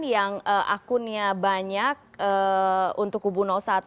yang akunnya banyak untuk kubu satu